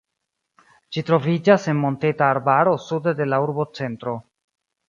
Ĝi troviĝas en monteta arbaro sude de la urbocentro.